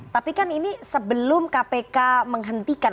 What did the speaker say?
tapi kan ini sebelum kpk menghentikan